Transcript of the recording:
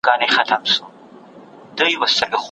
د لومړی ځل لپاره په امریکا کی هاروډ پوهنتون استاد